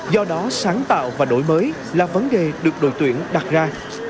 do đó sáng tạo và đổi mới là vấn đề được đội tuyển đặt ra